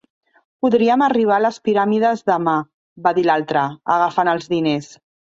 "Podríem arribar a les piràmides demà" va dir l'altre, agafant els diners.